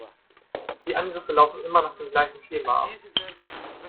Die Angriffe laufen immer nach dem gleichen Schema ab.